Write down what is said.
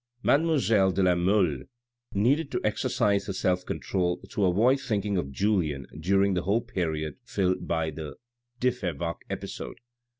Mademoiselle de la Mole needed to exercise her self control to avoid thinking of Julien during the whole period filled by the de Fervaques episode.